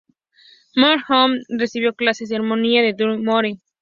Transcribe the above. Mary O'Hara recibió clases de armonía de Dudley Moore.